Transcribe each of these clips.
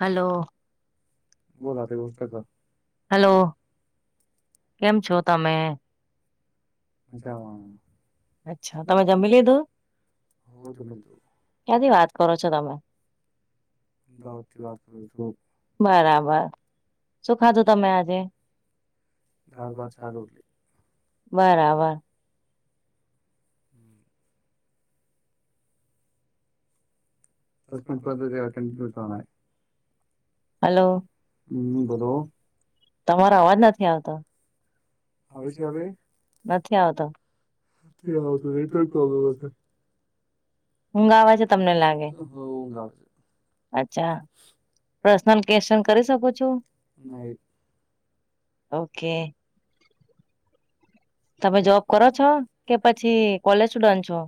હાલો. [unintelligible] હાલો. કેમ છો, તમેં? મજામા. અચ્છા, તમે જમી લીધું? ક્યાંથી વાત કરો છો તમે બરાબર શું ખાધું તમે આજે દાળ ભાત ખાધું બરાબર [unintelligible] હાલો હમ બોલો તમારો અવાજ નથી આવતો આવે છે અવે નથી આવતો [unintelligible] ઊઘ આવે છે તમને લાગે અચ્છા [inaudible] નઈ ઓ કે તમે જોબ કરો છો કે પછી કોલેજ સ્ટુડન્ટ છો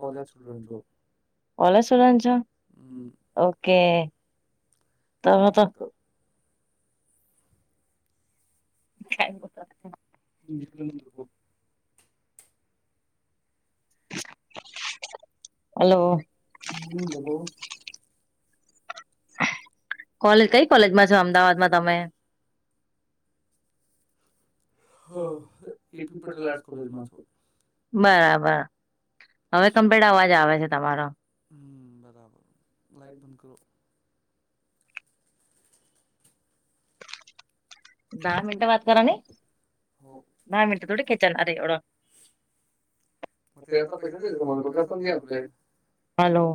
કોલેજ સ્ટુડન્ટ [inaudible] ઓલા [inaudible] ઓ કે તમે તો [inaudible] હાલો હમ્મ બોલો કોલેજ કઈ કોલેજમાં છો અમદાવાદમાં તમે [unintelligible] બરાબર હવે [unintelligible] અવાજ આવે છે તમારો લાઈટ બંધ કરો દહ મિનીટ વાત કરોની [unintelligible] [unintelligible] હાલો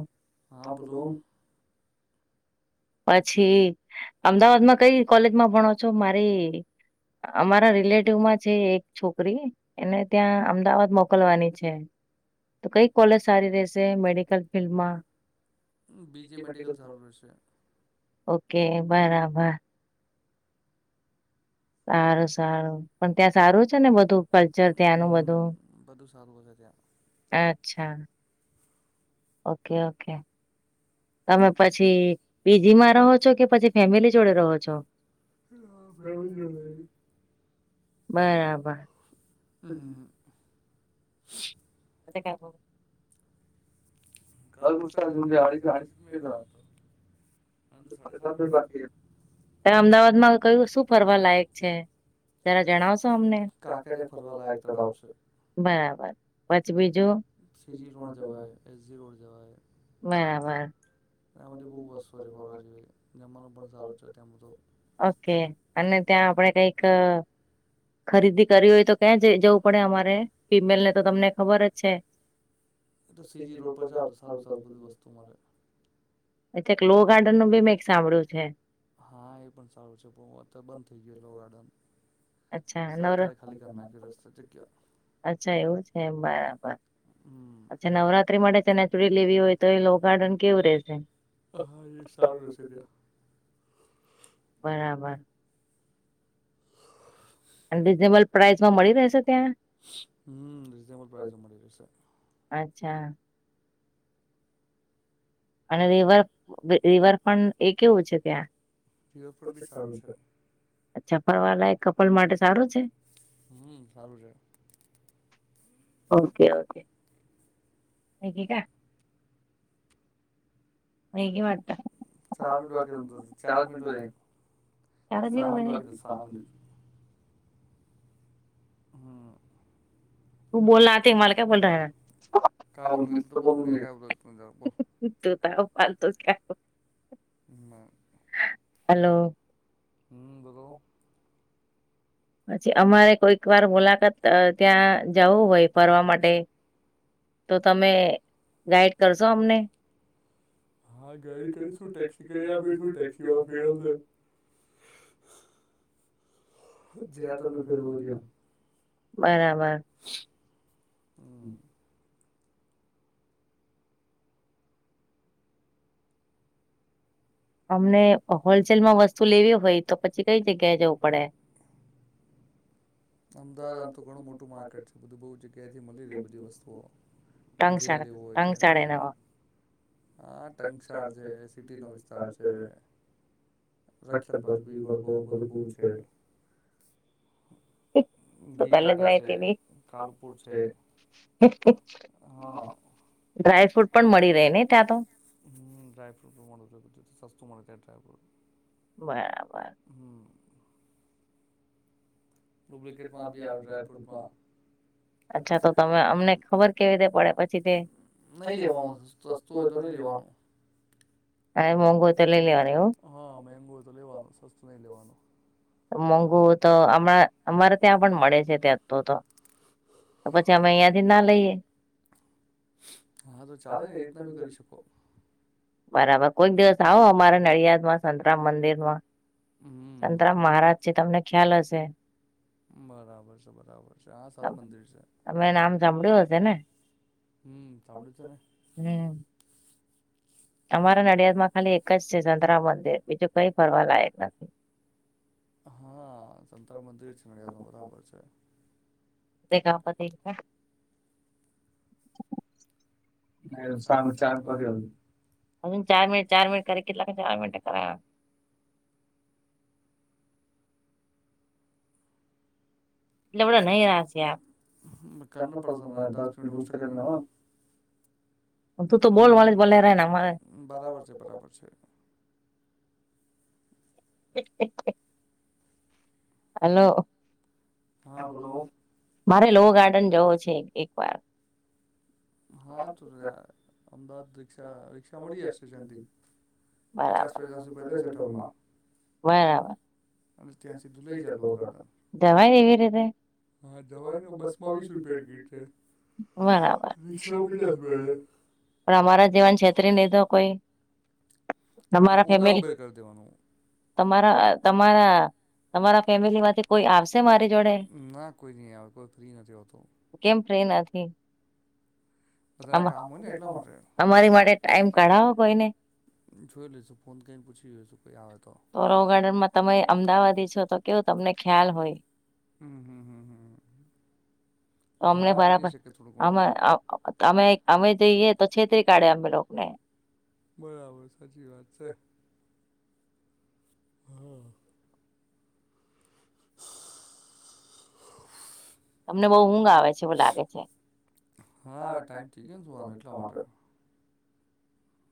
[inaudible] પછી અમદાવાદમાં કઈ કોલેજમાં ભણો છો મારી અમારા રિલેટિવ માં છે એક છોકરી એને ત્યાં અમદાવાદ મોકલવાની છે તો કઈ કોલેજ સારી રહેશે મેડિકલ ફિલ્ડમાં [unintelligible] ઓ કે બરાબર સારું સારું પણ ત્યાં સારું છે ને બધું કલ્ચર ત્યાંનું બધું [unintelligible] અચ્છા ઓકે ઓકે તમે પછી બીજી માં રહો છો કે પછી ફેમિલી જોડે રહો છો બરાબર હ અ ક કઈ ગોષ આ અડી અડીચી મટ ત અમદાવાદમાં કયું શું ફરવા લાયક છે તરા જણાવશો અમને બરાબર સીજીી રોડ જવાય એસ જી રોડ જવાય બરાબર ઓકે. અને ત્યાં આપડે કંઈક અહ ખરીદી કરી હોય તો ક્યાં જ જવું પડે અમારે, ફિમેલ ને તો તમને ખબર જ છે. એ તો સી જી રોડ પર જાઓ તો સારું-સારું બધું વસ્તુ મલે. એથેક લો ગાર્ડન નું બી મેં એક સાંભળ્યું છે. હા, એ પણ સારું છે. પણ હવે અત્યારે બંધ થઈ ગયો લો ગાર્ડન. અચ્છા. નર, અચ્છા એવું છે. મ અચ્છા, નવરાત્રી માટે ચનેચુરી લેવી હોય તો એ લોકગાર્ડન કેવું રેશે હા, એ સારુ રહેશે ત્યા બરાબર અઝબલ પ્રાઈઝમાં મળી રહેશે, ત્યા અચ્છા અને, રવર રિવરફ્રન્ટ એ કેવુ છે, ત્યાં અચ્છા ફરવાલાયક, કપલ માટે સારુ છે. ઓકે ઓ મેગી ચ ચસ મિટૂર ક હો હમ્મ તુ બોલથી, મારે ક્યા બોલ રહે ત પતો ક ના હલો હમ, બધ પછી, અમારે કોઈક વાર મુલાકાત ત્યાં જવુ હોય, ફરવા માટે તો તમે ગાઈડ કરશો, અમને હા, ગડી કરીશુ, ટેક્સી કરી આપીશું ટેક્સી વાળો ફેરવશે જ બરાબર અમને હોલસેલ, મા વસ્તુ લેવી હોય, તો પછી કઈ જગ્યાએ જવું પડે ચ આ તો મોટુ ટગ ટગ સાળે ન છે. ઘટ, બ બ છે. ઘી કાટ છે, કાલુપુર છે. હા હ, ડ્રાયફ્રુટ મળધું સસ્તું મળ કેટ્રબો બરાબર માંી આવતા ફલ અચ્છા તો તમે અમને ખબર કેવી રીતે પડે પછી તે. નહી, લેવાનું સસ્તુ હોય, તો નહીં લેવાનું હ મંગૂત લ લવા હા, મેગુ હોય, તો લેવાનું સસ્તું નહી લેવાનું મોંઘુ તો હમણાં અમારે ત્યાં પણ મળે છે, ત્યા તો તો. તો પછી અમે અહિયાયાથી ના લઈએ હા, તો ચાલે ને એ રીતના બી કરી શકો બરાબર, કોઈક દિવસ આવો અમારે નડિયાદ માં સંતરામ મંદિરમાં સંતરામ મહારાજ છે, તમને ખ્યાલ હશે બરાબર છે, બરાબર તમે નામ સાંભળ્યુ હશે, ને હમ્મ અમારા નડિયાદમાં ખાલી એક જ છે. સંતરામ મદિર બીજુ કઈ ફરવા લાયક નથી. હા જંતરા મંદિર છે, નડિયાદ ન બરાબર છે. અ કપતે એ. સામે ચાર પછું. અજ ચાર મિનિટ ચાર મનિટ કરે કેટલાખ ચાર મનિટ કરાવ એટ બડા નહી રા આશ્યા ચ પડ દસ હમ બરાબર છે બરાબર છે. [inaudible] હલો મારે લો ગાર્ડન જવો છે એક વાર હા તો અમદાવાદ રિકા રિક્ષા મળી જ સ્ટેશનથી. બરા દવાઈ દેવી રીતે ળંગમાં બસપાવડી સુુંધતી બરાબર પણ અમારા જીવન છેત્રી ન ન કો તો ઓલા ઉબેર કરી દેવાનું. તમારા તમારા તમારા ફેમિલી માંથી કોઈ આવશે મારી જોડે કેમ ફ્રી નથી. અમારી માટે ટાઈમ કાઢાવો કોઈને જોઈ લઈશું ફોન કને પૂછી લ્યો છું કોઈ આવે તો. તો રવગારડનમાં તમે અમદાવાદી છો તો કેવું તમને ખ્યાલ હોય હ હા બની શકે થોડું અમે અમે અમે જઈએ તો છેતરી કાઢે અમે લોકોને. બરાબર સાચી વાત છે. હમ. તમને બહુ ઊંઘ આવે છે બુ લાગે છે. હા હવે ટાઈમ થઈ ગયો ને શુંવાનો એટલા માટે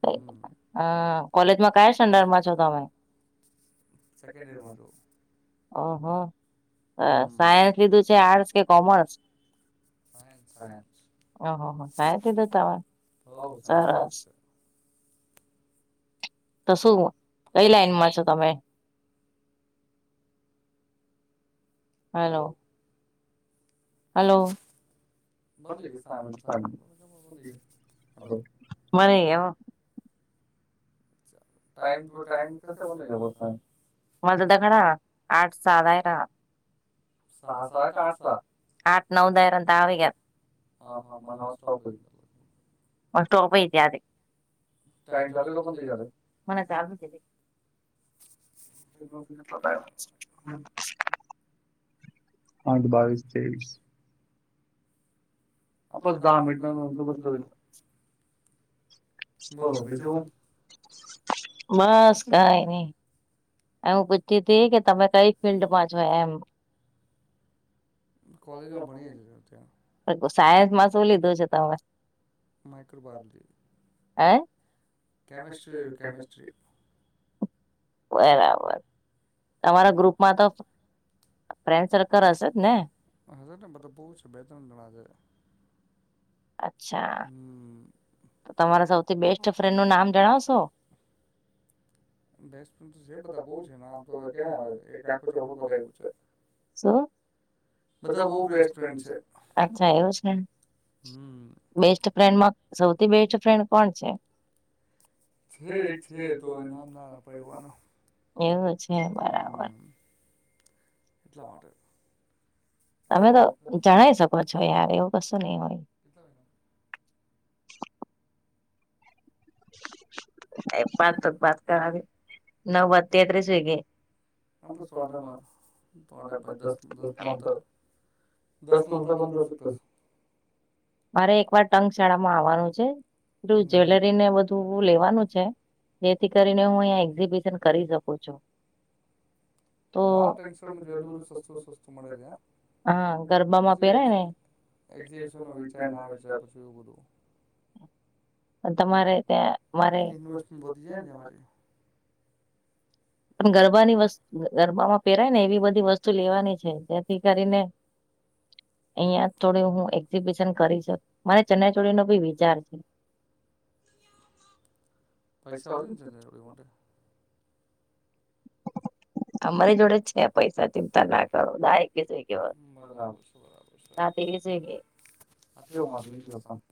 હ કોલેજમાં કયા સ્ટન્ડર્ડમાં છો તમે સેકન્ડ યરમાં તો. ઓહો હ સાયન્સ લીધું છે આર્ટસ કે કોમર્સ ઓહહ થહે તધ તમાર સરસ તો શું કઈ લાઈનમાં છો તમે. હલો હલો મને એ ટાઈમ ટુ ટાઈમ ક બ જ ત મજ દખણા આઠ સાધાયરા સા આ આઠ નવ દ એર આવી ગયા હ સો ટમ લોકો હ આઠ બાવીસ ત્રેવીસ હ બસ દા મનિટ પ બ બસ ગાય નને હું પૂછતી હતી કે તમે કઈ ફિલ્ડમાં છ એમ સાયન્સમાં શું લીધું છે તમે? માાઈઇક્રોબાયોલજી. બરાબર. તમારા ગ્રુપમાં તો હને બા બહુ છે બે ત્રણ જણા છે. અચ્છા. તો તમારા સૌથી બેસ્ટ ફ્રેન્ડ નું નામ જણાવશો? બેટસમેન તો છે બધા બઉુ છેમ તોવે ક્યાં આવે એક આખો ચોપડ પર એવું છે. શું બધા બહુ બેસ્ટ ફેડ છે. અસછા એવુ છે બેસ્ટ ફ્રેન્ડમાં સૌથી બેસ્ટ ફ્રેન્ડ કોણ છે? છે છે તો એ વા એવું છે બરાબર. એટલા માટે તમે તો જણાય શકો છો યાર એવું કસુ નહી હોય કેટલા મહિના? એ પાત બાત કરાવી નવ વાતીત ર્રી સ્વીગ આપ બ સડમાં પડ પાઈ દસ દસ નંતર [unintelligible] મારે એક વાર ટક શાળામાં આવવાનું છે. એલું જ્વેલરી ને બધું લેવાનું છે જેથી કરીને હું અં એક્ઝિબિ કરી શકો છો. તો હા ગરબામાં પહેરાય ને એટલે થ વિચાર મા તમારે ત્યાં મારે પણ ગરબાની વસ્ત ગરબામાં પહેરાય ને એવી બધી વસ્તુ લેવાની છે. ને કરીને અહિયાં થોડ હું એક્ઝિબિશન કરીશ મારે ચનઈચોડી નો બી વિચાર છે. [unintelligible] પૈસા હો છે નેડી માટે અમારી જોડે છે પૈસા ચિંતા ના કરો દાયક કેવા નાતે જ કે જો આ જોઈલેવાનુ